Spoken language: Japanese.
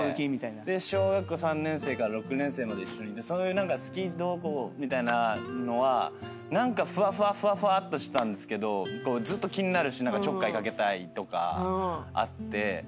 小学校３年生から６年生まで一緒にいて好きどうこうみたいなのは何かふわふわっとしてたんですけどずっと気になるしちょっかいかけたいとかあって。